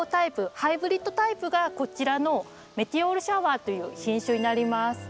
ハイブリッドタイプがこちらのメテオールシャワーという品種になります。